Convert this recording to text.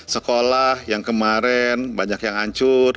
sekolah yang kemarin banyak yang hancur